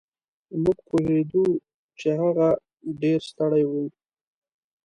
مونږ پوهېدو چې هغه ډېر ستړی و.